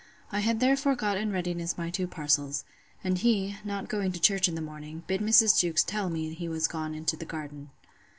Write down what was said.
I had therefore got in readiness my two parcels; and he, not going to church in the morning, bid Mrs. Jewkes tell me he was gone into the garden.